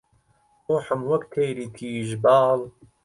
ڕووحم وەک تەیری تیژ باڵ